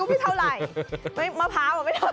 ก็ไม่เท่าไรไม่ฮะมะพร้าวอ่ะไม่เท่าไร